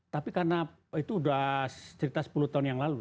tapi karena itu sudah cerita sepuluh tahun yang lalu